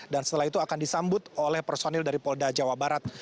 dan setelah itu akan disambut oleh personil dari polda jawa barat